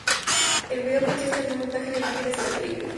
El video consiste en un montaje de imágenes de la película.